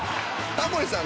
「タモリさん」